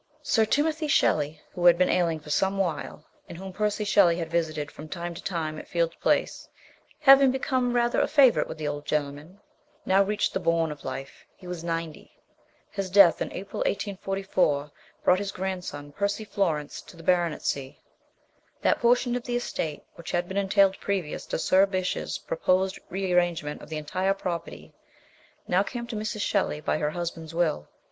Sir Timothy Shelley, who had been ailing for some while, and whom Percy Shelley had visited from time to time at Field Place, having become rather a favourite with the old gentleman, now reached the bourne of life he was ninety. His death in April 1844 brought his grandson Percy Florence to the baronetcy. That portion of the estate which had been entailed previous to Sir Bysshe's proposed rearrangement of the entire property now came to Mrs. Shelley by her hus band's will.